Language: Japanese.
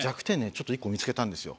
ちょっと１個見付けたんですよ。